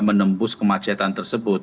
menembus kemacetan tersebut